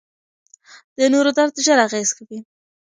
د نورو درد ژر اغېز کوي.